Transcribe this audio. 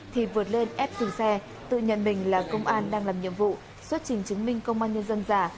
thì vượt lên ép từ xe tự nhận mình là công an đang làm nhiệm vụ xuất trình chứng minh công an nhân dân giả